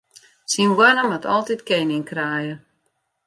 Syn hoanne moat altyd kening kraaie.